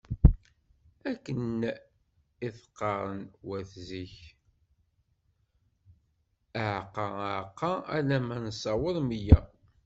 Akken i t-qqaren wat zik:Aɛeqqa, aɛeqqa alamma nessaweḍ meyya.